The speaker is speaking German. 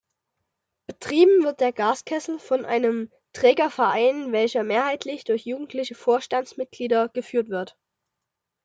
Betrieben wird der Gaskessel von einem Trägerverein, welcher mehrheitlich durch Jugendliche Vorstandsmitglieder geführt wird.